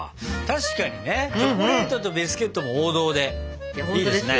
確かにねチョコレートとビスケットも王道でいいですね。